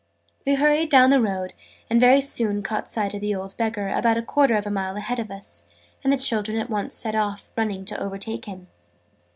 We hurried down the road, and very soon caught sight of the old Beggar, about a quarter of a mile ahead of us, and the children at once set off running to overtake him.